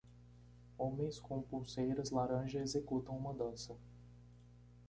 Homens com pulseiras laranja executam uma dança.